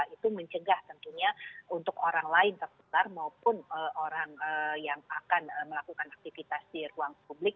itu mencegah tentunya untuk orang lain tertular maupun orang yang akan melakukan aktivitas di ruang publik